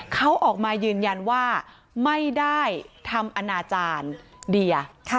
เขาออกมายืนยันว่าไม่ได้ทำอนาจารย์เดีย